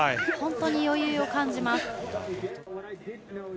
本当に余裕を感じます。